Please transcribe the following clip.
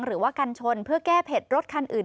หรือว่ากันชนเพื่อแก้เผ็ดรถคันอื่น